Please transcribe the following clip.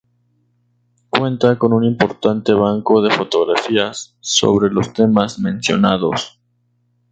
Cuenta con un importante banco de fotografías sobre los temas mencionados.